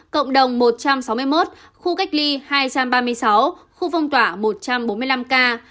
cộng đồng một trăm sáu mươi một khu cách ly hai trăm ba mươi sáu khu phong tỏa một trăm bốn mươi năm ca